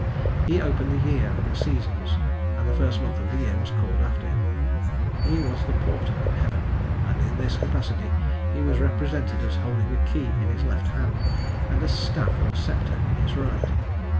He opened the year and the seasons, and the first month of the year was called after him. He was the porter of heaven, and in this capacity he was represented as holding a key in his left hand and a staff or scepter in his right.